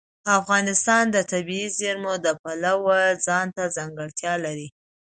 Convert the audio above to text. افغانستان د طبیعي زیرمې د پلوه ځانته ځانګړتیا لري.